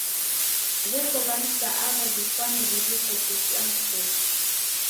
W'eko w'andu sa aw'o w'ifwane w'iw'ike pusi angu koshi.